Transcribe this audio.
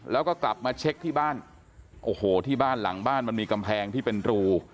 แล้วก็กลับมาเช็คที่บ้านโอ้โหที่บ้านหลังบ้านมันมีกำแพงที่เป็นรู